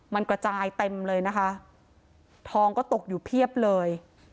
มันกระจายเต็มเลยนะคะทองก็ตกอยู่เพียบเลย